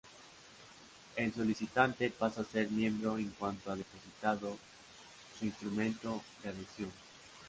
El solicitante pasa a ser Miembro en cuanto ha depositado su instrumento de adhesión.